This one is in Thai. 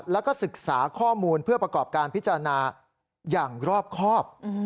แล้วก็ศึกษาข้อมูลเพื่อประกอบการพิจารณาอย่างรอบครอบ